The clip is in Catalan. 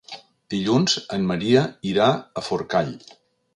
Dilluns en Maria irà a Forcall.